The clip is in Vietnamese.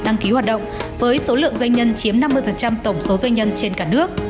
đăng ký hoạt động với số lượng doanh nhân chiếm năm mươi tổng số doanh nhân trên cả nước